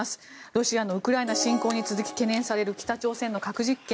ロシアのウクライナ侵攻に続き懸念される北朝鮮の核実験。